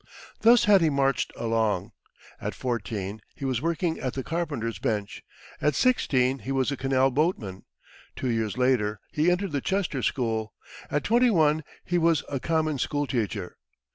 Thus had he marched along. At fourteen he was working at the carpenter's bench; at sixteen he was a canal boatman; two years later he entered the Chester school; at twenty one he was a common school teacher.